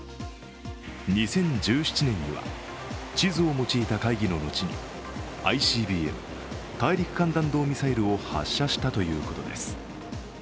２０１７年には、地図を用いた会議の後にＩＣＢＭ＝大陸間弾道ミサイルを発射したということです。